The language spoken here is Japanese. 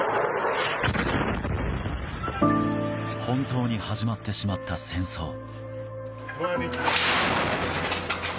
本当に始まってしまった戦争。